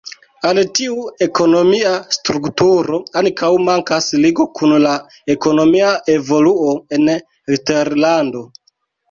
Al tiu ekonomia strukturo ankaŭ mankas ligo kun la ekonomia evoluo en eksterlando.